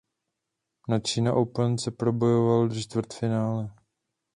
Na China Open se probojoval do čtvrtfinále.